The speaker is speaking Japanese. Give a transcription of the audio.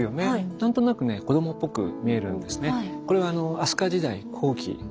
何となくね子どもっぽく見えるんですね。